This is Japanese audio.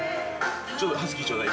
◆ちょっとハスキーちょうだい。◆